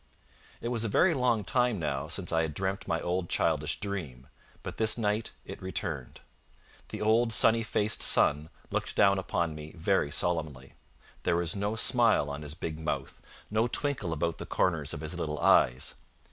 It was a very long time now since I had dreamt my old childish dream; but this night it returned. The old sunny faced sun looked down upon me very solemnly. There was no smile on his big mouth, no twinkle about the corners of his little eyes.